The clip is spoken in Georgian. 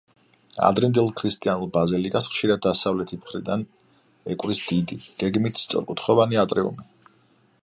ადრინდელ ქრისტიანულ ბაზილიკას ხშირად დასავლეთი მხრიდან ეკვრის დიდი, გეგმით სწორკუთხოვანი ატრიუმი.